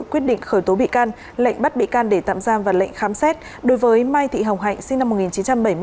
quyết định khởi tố bị can lệnh bắt bị can để tạm giam và lệnh khám xét đối với mai thị hồng hạnh sinh năm một nghìn chín trăm bảy mươi bốn